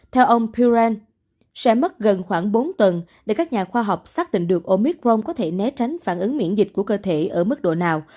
theo ông puren sẽ mất gần khoảng bốn tuần để các nhà khoa học xác định được omicron có thể né tránh phản ứng miễn dịch của cơ thể ở mức độ nào